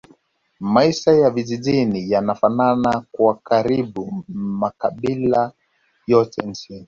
Maisha ya vijijini yanafanana kwa karibu makabila yote nchini